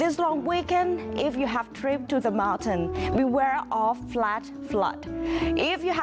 สวัสดีค่ะ